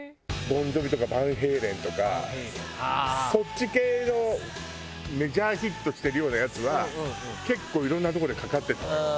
ボン・ジョヴィとかＶＡＮＨＡＬＥＮとかそっち系のメジャーヒットしてるようなやつは結構いろんなとこでかかってたわよ。